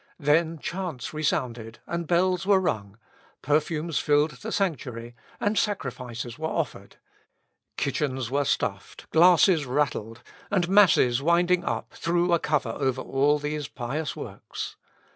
Then chants resounded, and bells were rung, perfumes filled the sanctuary, and sacrifices were offered; kitchens were stuffed, glasses rattled, and masses winding up threw a cover over all these pious works.